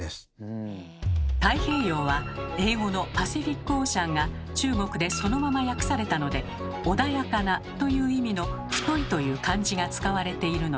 太平洋は英語の「パシフィック・オーシャン」が中国でそのまま訳されたので「穏やかな」という意味の「太」という漢字が使われているのです。